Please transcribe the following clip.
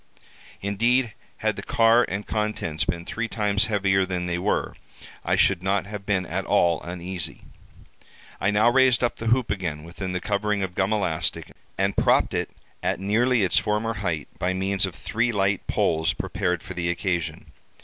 Indeed, had the car and contents been three times heavier than they were, I should not have been at all uneasy. I now raised up the hoop again within the covering of gum elastic, and propped it at nearly its former height by means of three light poles prepared for the occasion.